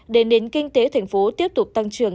để nền kinh tế tp hcm tiếp tục tăng trưởng